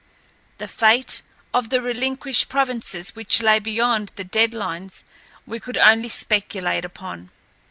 The fate of the relinquished provinces which lay beyond the dead lines we could only speculate upon.